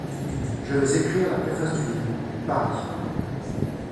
Je vais écrire la préface du livre: Paris.